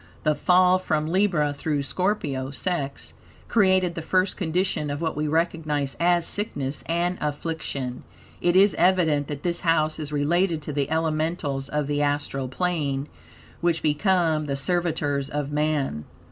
The fall, from Libra through Scorpio (sex), created the first condition of what we recognize as sickness and affliction. It is evident that this house is related to the elementals of the astral plane, which become the servitors of man.